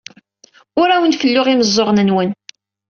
Ur awen-felluɣ imeẓẓuɣen-nwen.